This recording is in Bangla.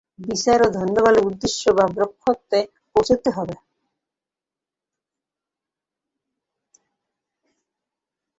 বিচার ও ধ্যানবলে উদ্দেশ্য বা ব্রহ্মতত্ত্বে পৌঁছুতে হবে।